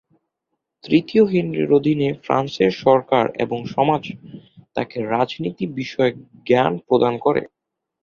তৃতীয় হেনরির অধীনে ফ্রান্সের সরকার এবং সমাজ তাকে রাজনীতি বিষয়ক জ্ঞান প্রদান করে।